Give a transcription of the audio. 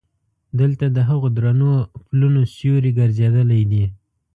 دلته د هغو درنو پلونو سیوري ګرځېدلی دي.